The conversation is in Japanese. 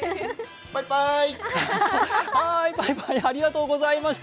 パイパイ、ありがとうございました。